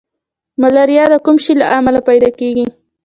ملاریا د کوم شي له امله پیدا کیږي